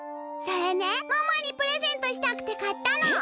それねママにプレゼントしたくてかったの。